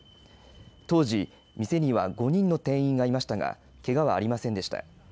当時、店には５人の店員がいましたがけがはありませんでした。